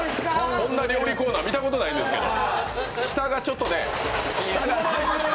こんな料理コーナー、見たことないんですけど。